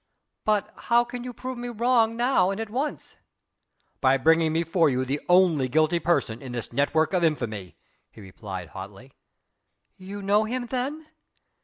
But how can you prove me wrong now and at once?" "By bringing before you the only guilty person in this network of infamy," he replied hotly. "You know him then?"